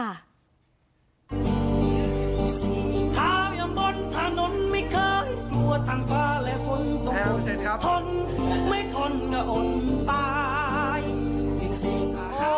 แทนเสร็จครับ